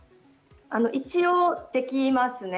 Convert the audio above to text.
一応できますね。